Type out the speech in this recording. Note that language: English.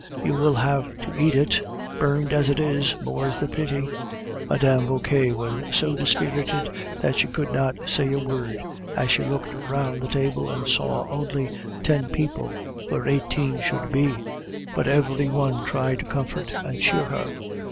you will have to eat it, burned as it is, more's the pity!" Mme. Vauquer was so dispirited that she could not say a word as she looked round the table and saw only ten people where eighteen should be; but every one tried to comfort and cheer her.